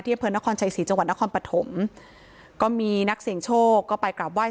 เยี่ยมเพลินนครชัยศรีจังหวัดนครปฐมก็มีนักเสียงโชคก็ไปกลับไหว้